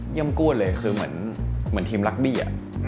เยี่ยมกว้นเลยคือเหมือนทีมลักบี้อะ